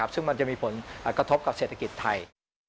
ซึ่งมันจะมีผลกระทบกับเศรษฐกิจไทย